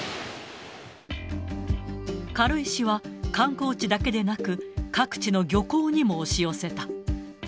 軽石は、観光地だけでなく、各地の漁港にも押し寄せた。